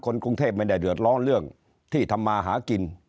กรุงเทพไม่ได้เดือดร้อนเรื่องที่ทำมาหากิน